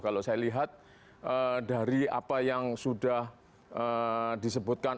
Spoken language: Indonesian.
kalau saya lihat dari apa yang sudah disebutkan